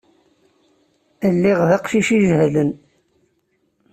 Lliɣ d aqcic ijehlen.